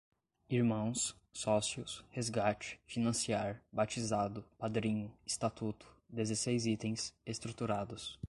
irmãos, sócios, resgate, financiar, batizado, padrinho, estatuto, dezesseis itens, estruturados